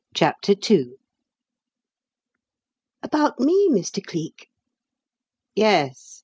CHAPTER II "About me, Mr. Cleek?" "Yes.